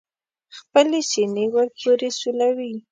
خپلې سینې ور پورې سولوي.